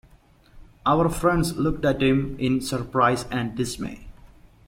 Our friends looked at him in surprise and dismay.